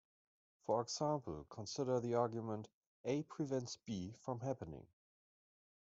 For example, consider the argument, "A prevents B from happening".